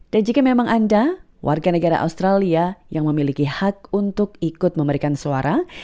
dan jika memang anda warga negara australia yang memiliki hak untuk ikut memberikan suara